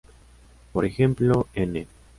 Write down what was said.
Por ejemplo, "n"!!